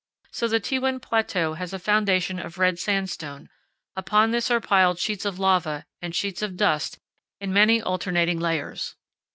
So the Tewan Plateau has a foundation of red sandstone; upon this are piled sheets of lava and sheets of dust in many alternating layers.